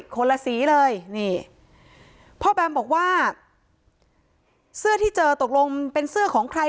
คนละสีเลยนี่พ่อแบมบอกว่าเสื้อที่เจอตกลงเป็นเสื้อของใคร